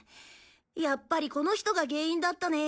やっぱりこの人が原因だったね。